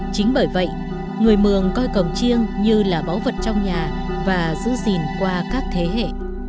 chính bởi vậy người mường coi cổng chiêng như là báu vật trong nhà và giữ gìn qua các thế hệ